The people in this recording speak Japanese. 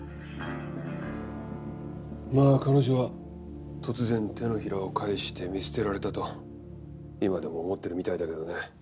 まあ彼女は突然手のひらを返して見捨てられたと今でも思ってるみたいだけどね。